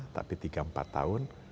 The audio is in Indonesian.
tapi tiga empat tahun